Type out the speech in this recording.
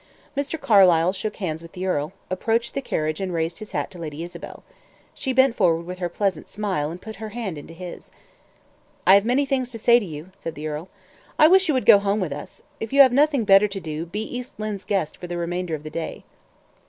Mr. Carlyle shook hands with the earl, approached the carriage and raised his hat to Lady Isabel. She bent forward with her pleasant smile, and put her hand into his. "I have many things to say to you," said the earl. "I wish you would go home with us. If you have nothing better to do, be East Lynne's guest for the remainder of the day."